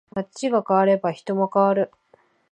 街が変われば人も変わる